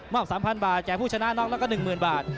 ๓๐๐บาทแก่ผู้ชนะน็อกแล้วก็๑๐๐๐บาท